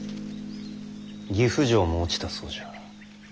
岐阜城も落ちたそうじゃ。